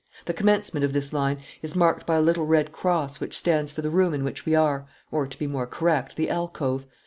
The commencement of this line is marked by a little red cross which stands for the room in which we are, or, to be more correct, the alcove.